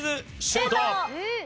シュート！